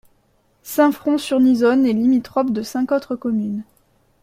Saint-Front-sur-Nizonne est limitrophe de cinq autres communes.